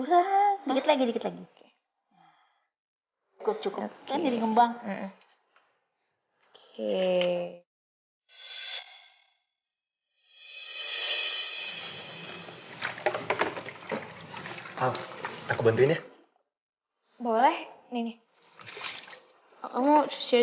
yaudah yuk nanti keburu sore